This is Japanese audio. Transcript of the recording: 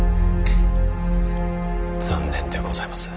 残念でございます。